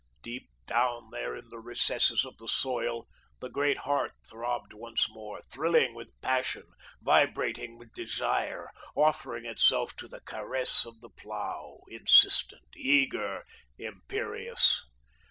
Deep down there in the recesses of the soil, the great heart throbbed once more, thrilling with passion, vibrating with desire, offering itself to the caress of the plough, insistent, eager, imperious.